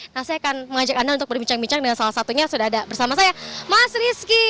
nah saya akan mengajak anda untuk berbincang bincang dengan salah satunya sudah ada bersama saya mas rizky